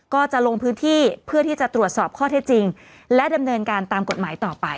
ก็จะลงพื้นที่เพื่อที่จะตรวจสอบข้อเท็จจริงและดำเนินการตามกฎหมายต่อไป